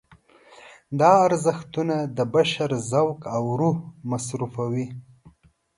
دا ارزښتونه د بشر ذوق او روح مصرفوي.